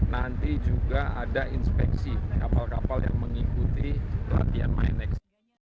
nanti juga ada inspeksi kapal kapal yang mengikuti latihan main x